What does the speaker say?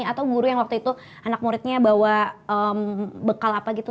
atau guru yang waktu itu anak muridnya bawa bekal apa gitu